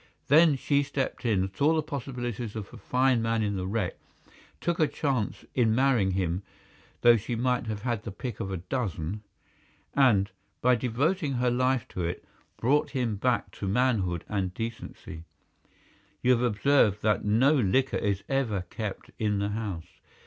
Then she stepped in, saw the possibilities of a fine man in the wreck, took her chance in marrying him though she might have had the pick of a dozen, and, by devoting her life to it, brought him back to manhood and decency. You have observed that no liquor is ever kept in the house.